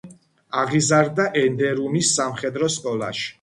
აღიზარდა ენდერუნის სამხედრო სკოლაში.